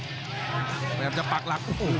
พยายามจะปักหลักโอ้โหสอบขวาครับ